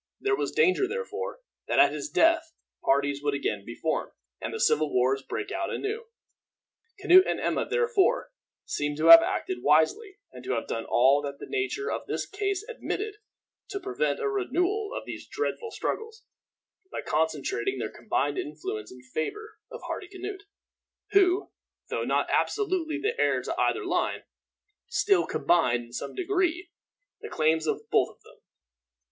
There was danger, therefore, that at his death parties would again be formed, and the civil wars break out anew. Canute and Emma therefore seem to have acted wisely, and to have done all that the nature of the case admitted to prevent a renewal of these dreadful struggles, by concentrating their combined influence in favor of Hardicanute, who, though not absolutely the heir to either line, still combined, in some degree, the claims of both of them.